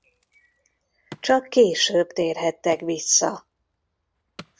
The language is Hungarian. Csak később térhettek vissza.